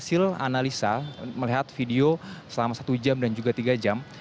selama satu jam dan juga tiga jam